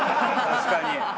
確かに。